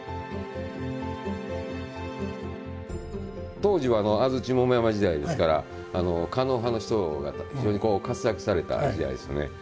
当時は安土桃山時代ですから狩野派の人が非常に活躍された時代ですよね。